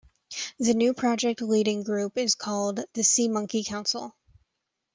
The new project-leading group is called the "SeaMonkey Council".